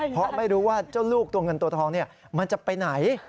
เพราะไม่รู้ว่าเจ้าลูกตัวเงินตัวทองมันจะไปไหน